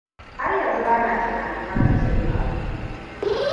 Har yanzu bana tunanin hakan zai faru.